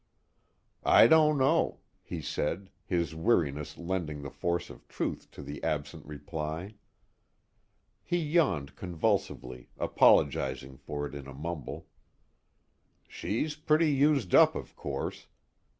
"I don't know," he said, his weariness lending the force of truth to the absent reply. He yawned convulsively, apologizing for it in a mumble. "She's pretty used up of course.